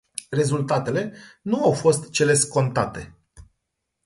Rezultatele nu au fost cele scontate.